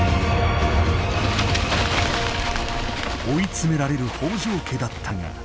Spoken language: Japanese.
追い詰められる北条家だったが。